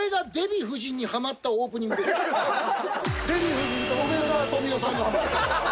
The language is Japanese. デヴィ夫人と梅沢富美男さんにハマった。